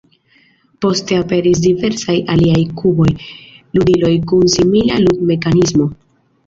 Poste aperis diversaj aliaj kuboj, ludiloj kun simila lud-mekanismo.